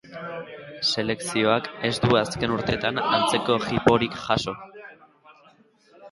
Selekzioak ez du azken urteetan antzeko jiporik jaso.